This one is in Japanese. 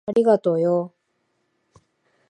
ありがとよ。